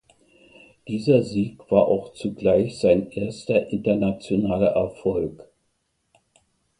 Dieser Sieg war auch zugleich sein erster internationaler Erfolg.